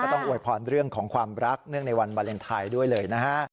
ต้องอวยพรเรื่องของความรักเนื่องในวันวาเลนไทยด้วยเลยนะฮะ